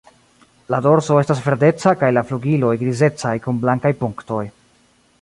Lo dorso estas verdeca kaj la flugiloj grizecaj kun blankaj punktoj.